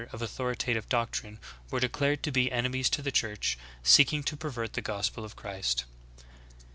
41 of authoritative doctrine were declared to be eaemies to the Church, seeking to ''pervert the gospel of Christ."